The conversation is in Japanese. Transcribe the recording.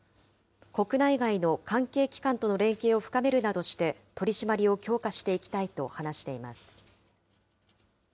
国内外の関係機関との連携を深めるなどして、取締りを強化していきたいと話しています。